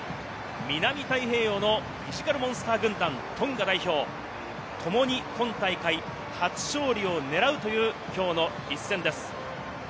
南太平洋のフィジカルモンスター軍団、トンガ代表ともに今大会、初勝利を狙うというきょうの一戦です。